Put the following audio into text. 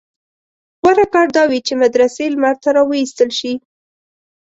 غوره کار دا وي چې مدرسې لمر ته راوایستل شي.